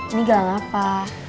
ini gelang apa